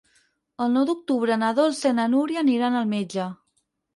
El nou d'octubre na Dolça i na Núria aniran al metge.